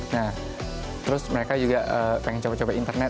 nah terus mereka juga pengen coba coba internet